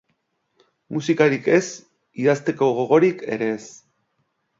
Musikarik ez, idazteko gogorik ere ez.